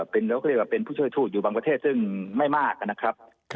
เราก็เรียกว่าเป็นผู้ช่วยทูตอยู่บางประเทศซึ่งไม่มากนะครับ